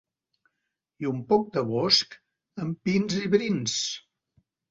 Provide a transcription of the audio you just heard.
I un poc de bosc amb pins i brins.